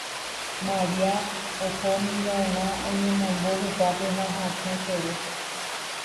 Maria ohómiva'erá oñemombo hupápe ha hasẽ soro.